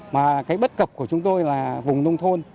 mà cái bất cập của chúng tôi là vùng nông thôn